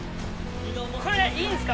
これいいんですか？